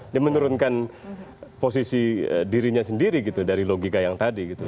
dia menurunkan posisi dirinya sendiri gitu dari logika yang tadi gitu